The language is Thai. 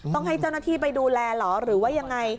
ต้องให้เจ้าหน้าที่ไปดูแลเหรอหรือว่ายังไง